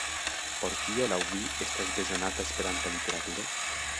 Por kio laŭ vi estas bezonata Esperanta literaturo?